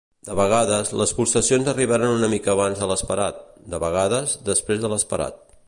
De vegades, les pulsacions arribaven una mica abans de l'esperat; de vegades, després de l'esperat.